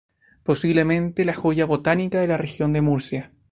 Posiblemente, la joya botánica de la Región de Murcia.